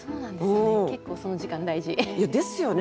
結構その時間大事。ですよね